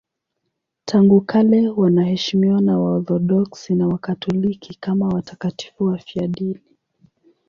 Tangu kale wanaheshimiwa na Waorthodoksi na Wakatoliki kama watakatifu wafiadini.